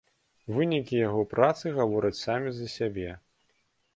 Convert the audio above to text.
Вынікі яго працы гавораць самі за сябе.